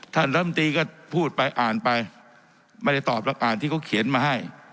ลำตีก็พูดไปอ่านไปไม่ได้ตอบแล้วอ่านที่เขาเขียนมาให้